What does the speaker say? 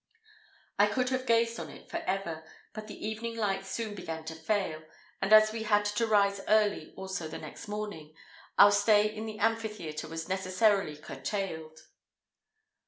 I could have gazed on it for ever, but the evening light soon began to fail; and as we had to rise early also the next morning, our stay in the amphitheatre was necessarily curtailed.